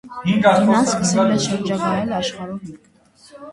Թինան սկսել է շրջագայել աշխարհով մեկ։